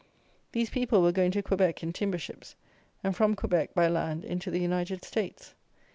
These people were going to Quebec in timber ships, and from Quebec by land into the United States.